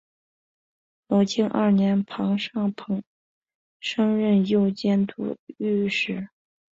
隆庆二年庞尚鹏升任右佥都御史。